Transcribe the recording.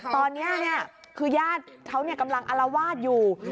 ตอนเนี่ยเนี่ยคือญาติเขาเนี่ยกำลังอัลวาสอยู่